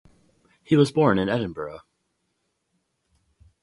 He was born in Edinburgh.